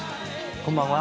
こんばんは。